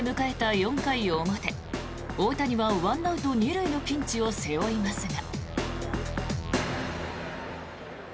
４回表大谷は１アウト２塁のピンチを背負いますが。